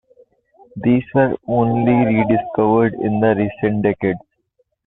These were only rediscovered in recent decades.